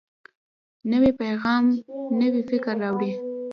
نوی پیغام نوی فکر راوړي